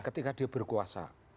ketika dia berkuasa